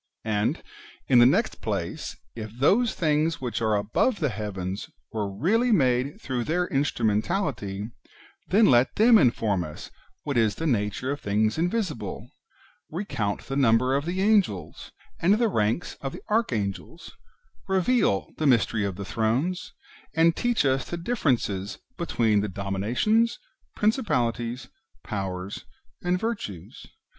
And, in the next place, if those things which are above the heavens were reallv made throuo;h their instru mentality, then let them inform us what is the nature of things invisible, recount the number of the Angels, and the ranks of the Archangels, reveal the mysteries of the Thrones, and teach us the differences between the Dominations, Prin cipalities, Powers, and Virtues.